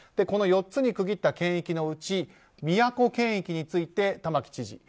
この４つに区切った県域のうち宮古県域について、玉城知事。